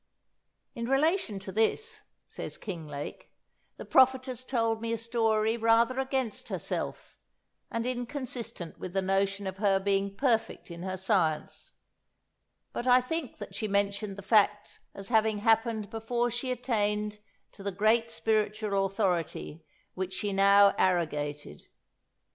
"In relation to this," says Kinglake, "the prophetess told me a story rather against herself, and inconsistent with the notion of her being perfect in her science; but I think that she mentioned the facts as having happened before she attained to the great spiritual authority which she now arrogated.